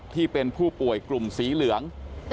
ที่เป็นผู้ป่วยกลุ่มสีเหลือง